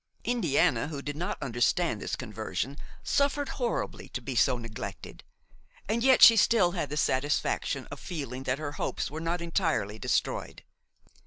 Indiana, who did not understand this conversion, suffered horribly to be so neglected; and yet she still had the satisfaction of feeling that her hopes were not entirely destroyed.